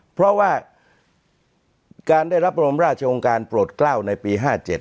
เพราะว่าการได้รับรบวันพระบรมราชองการโปรดเกล้าในปี๕๗